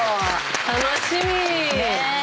楽しみ。